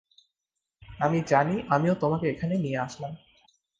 আমি জানি, আমিও তোমাকে এখানে নিয়ে আসলাম।